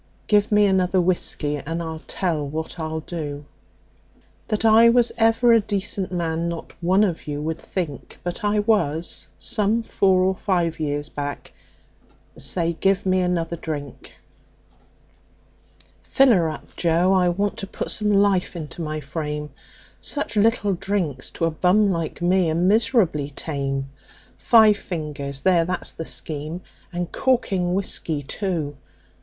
Give me another whiskey, and I'll tell what I'll do That I was ever a decent man not one of you would think; But I was, some four or five years back. Say, give me another drink. "Fill her up, Joe, I want to put some life into my frame Such little drinks to a bum like me are miserably tame; Five fingers there, that's the scheme and corking whiskey, too.